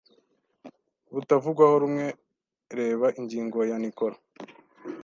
butavugwaho rumwe reba ingingo ya Nicholas